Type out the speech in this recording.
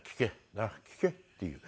「なあ聞け」っていう。